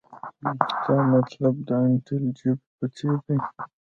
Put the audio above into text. تا مطلب د انټیل چپ په څیر دی